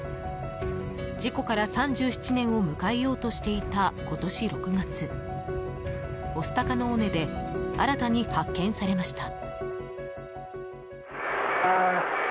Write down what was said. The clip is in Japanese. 事故から３７年を迎えようとしていた今年６月、御巣鷹の尾根で新たに発見されました。